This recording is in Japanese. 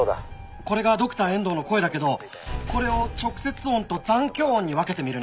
これがドクター遠藤の声だけどこれを直接音と残響音に分けてみるね。